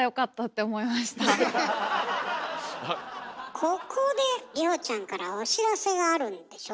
いやなんかここで里帆ちゃんからお知らせがあるんでしょ？